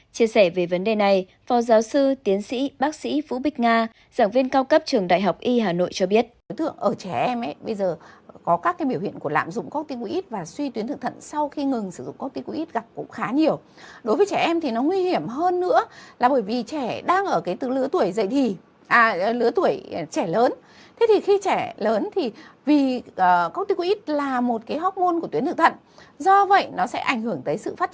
chia sẻ về vấn đề này phó giáo sư tiến sĩ bác sĩ phú bích nga giảng viên cao cấp trường đại học y hà nội cho biết